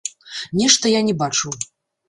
Нешта я не бачыў.